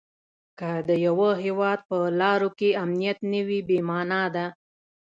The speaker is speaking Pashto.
که د یوه هیواد په لارو کې امنیت نه وي بې مانا ده.